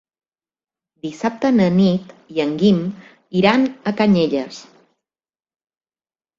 Dissabte na Nit i en Guim iran a Canyelles.